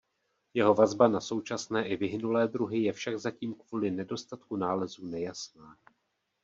Jeho vazba na současné i vyhynulé druhy je však zatím kvůli nedostatku nálezů nejasná.